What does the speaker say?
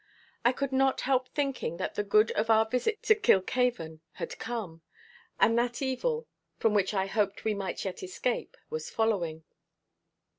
I could not help thinking that the good of our visit to Kilkhaven had come, and that evil, from which I hoped we might yet escape, was following.